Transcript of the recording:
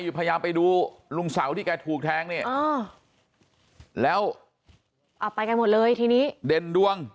พยายามไปดูลุงเสาที่แกถูกแทงเนี่ยแล้วเอาไปกันหมดเลยทีนี้เด่นดวง